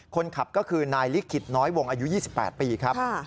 คนขับก็คือนายลิขิตน้อยวงอายุ๒๘ปีครับ